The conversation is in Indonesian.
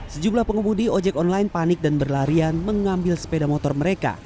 sejumlah pengemudi ojek online panik dan berlarian mengambil sepeda motor mereka